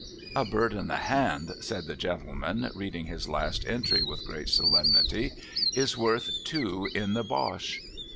'"A bird in the hand,"' said the gentleman, reading his last entry with great solemnity, '" is worth two in the Bosh."